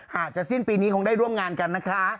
หากจะสิ้นปีนี้คงได้ร่วมงานกันนะคะ